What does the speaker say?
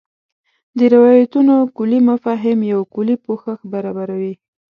د روایتونو کُلي مفاهیم یو کُلي پوښښ برابروي.